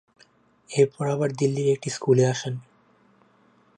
এরপর আবার দিল্লীর একটি স্কুলে আসেন।